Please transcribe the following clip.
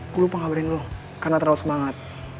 gue lupa ngabarin lo karena terlalu semangat